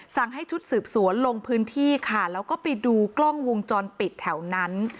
ให้ชุดสืบสวนลงพื้นที่ค่ะแล้วก็ไปดูกล้องวงจรปิดแถวนั้น